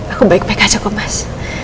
aku baik baik aja kok mas